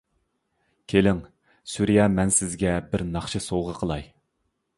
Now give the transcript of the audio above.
-كېلىڭ، سۈرىيە مەن سىزگە بىر ناخشا سوۋغا قىلاي.